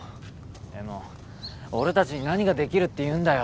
でも俺たちに何ができるっていうんだよ？